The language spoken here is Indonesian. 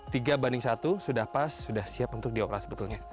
tiga banding satu sudah pas sudah siap untuk dioperasi betulnya